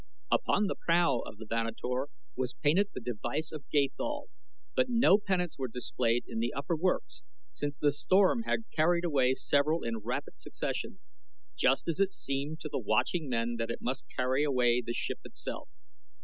Upon the prow of the Vanator was painted the device of Gathol, but no pennants were displayed in the upper works since the storm had carried away several in rapid succession, just as it seemed to the watching men that it must carry away the ship itself.